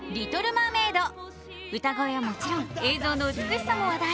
歌声はもちろん映像の美しさも話題。